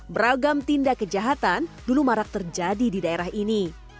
beragam tindak kejahatan dulu marak terjadi di daerah ini